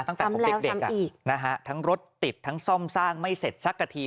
ตั้งแต่ผมเด็กทั้งรถติดทั้งซ่อมสร้างไม่เสร็จสักกะที